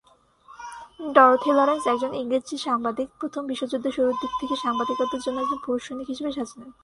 Dorothy Lawrence, একজন ইংরেজ সাংবাদিক, প্রথম বিশ্বযুদ্ধের শুরুর দিকে থেকে সাংবাদিকতার জন্য একজন পুরুষ সৈনিক হিসাবে সাজ নেন।